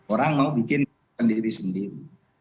orang mau bikin sendiri